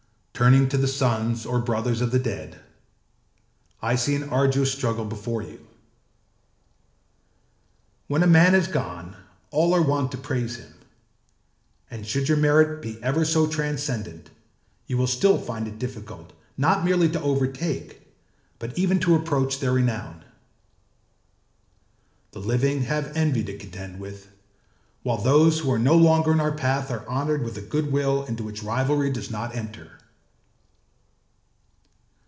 âTurning to the sons or brothers of the dead, I see an arduous struggle before you. When a man is gone, all are wont to praise him, and should your merit be ever so transcendent, you will still find it difficult not merely to overtake, but even to approach their renown. The living have envy to contend with, while those who are no longer in our path are honoured with a goodwill into which rivalry does not enter.